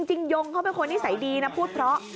ยงเขาเป็นคนนิสัยดีนะพูดเพราะ